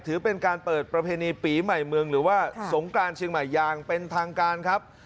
ถือเป็นการเปิดประเพณีปีใหม่เมืองหรือว่าสงกรานเชียงใหม่อย่างเป็นทางการครับ